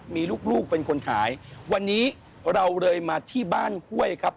มีลูกลูกเป็นคนขายวันนี้เราเลยมาที่บ้านห้วยครับ